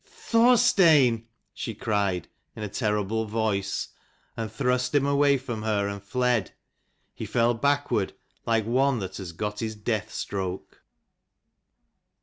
"Thorstein!" she cried in a terrible voice, and thrust him away from her, and fled. He fell backward, like one that has got his death stroke.